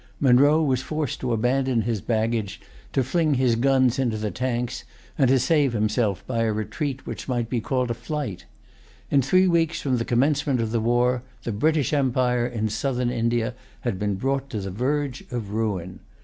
Munro was forced to abandon his baggage, to fling his guns into the tanks, and to save himself by a retreat which might be called a flight. In three weeks from the commencement of the war, the British empire in Southern India had been brought to the verge of ruin.